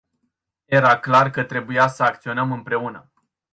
Era clar că trebuia să acționăm împreună.